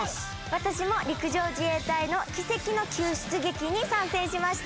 私も陸上自衛隊の奇跡の救出劇に参戦しました。